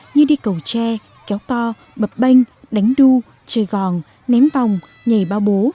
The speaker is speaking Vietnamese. như đi cầu tre kéo co bập banh đánh đu chơi gòn ném vòng nhảy bao bố